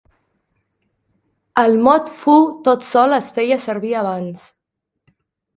El mot "foo" tot sol es feia servir abans.